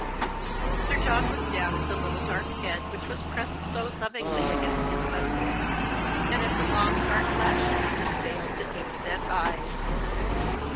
Sir John looked down at the little dark head which was pressed so lovingly against his waistcoat, and at the long dark lashes that veiled the deep set eyes.